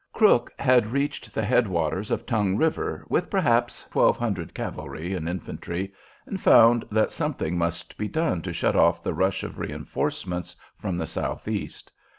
Crook had reached the head waters of Tongue River with perhaps twelve hundred cavalry and infantry, and found that something must be done to shut off the rush of reinforcements from the southeast.